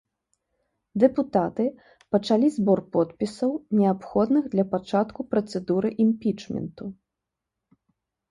Дэпутаты пачалі збор подпісаў, неабходных для пачатку працэдуры імпічменту.